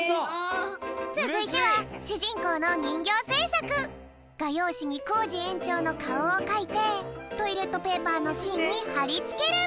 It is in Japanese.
つづいてはしゅじんこうのにんぎょうせいさく。がようしにコージえんちょうのかおをかいてトイレットペーパーのしんにはりつける！